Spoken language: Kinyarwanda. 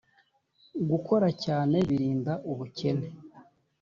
gukoracyane birinda ubukene.